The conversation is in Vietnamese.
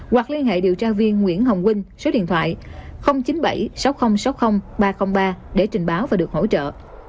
hoặc liên hệ điều tra viên nguyễn hồng vinh số điện thoại chín mươi bảy sáu nghìn sáu mươi ba trăm linh ba để trình báo và được hỗ trợ